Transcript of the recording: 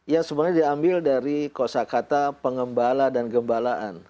yang sebenarnya diambil dari kosa kata pengembala dan gembalaan